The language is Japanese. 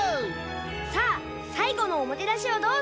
さあさいごのおもてなしをどうぞ。